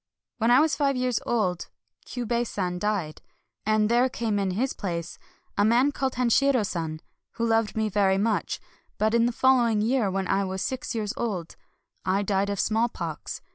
When I was five years old, Kyiibei San died ; and there came in his place a man called Hanshiro San, who loved me very much. But in the following year, when I was six years old, I died of smallpox.